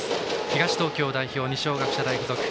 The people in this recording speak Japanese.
東東京代表・二松学舎大付属。